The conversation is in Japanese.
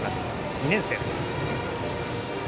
２年生です。